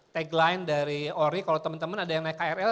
tagline dari ori kalau teman teman ada yang naik krl